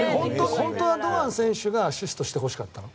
本当は堂安選手がアシストしてほしかった？